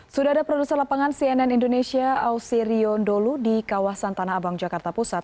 sudah ada produser lapangan cnn indonesia ausi riondolu di kawasan tanah abang jakarta pusat